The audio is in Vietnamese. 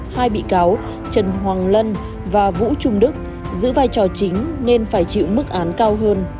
hai bị cáo trần hoàng lân và vũ trung đức giữ vai trò chính nên phải chịu mức án cao hơn